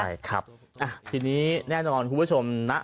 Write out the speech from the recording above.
ใช่ครับทีนี้แน่นอนคุณผู้ชมนะ